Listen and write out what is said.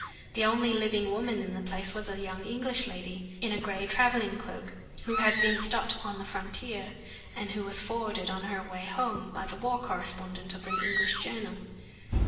The only living woman in the place was a young English lady, in a gray traveling cloak, who had been stopped on the frontier, and who was forwarded on her way home by the war correspondent of an English journal.